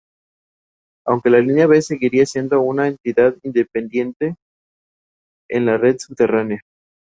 Aunque la Línea B seguiría siendo una entidad independiente en la red subterránea.